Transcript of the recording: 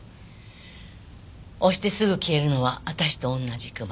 押してすぐ消えるのは私と同じクマ。